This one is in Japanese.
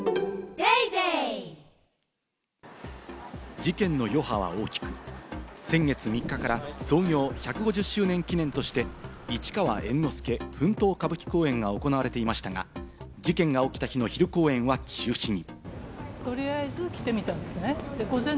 事件の余波は大きく、先月３日から創業１５０周年記念として『市川猿之助奮闘歌舞伎公演』が行われていましたが、事件が起きた日の昼公演は中止に。